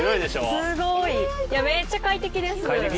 すごいいやめっちゃ快適です快適？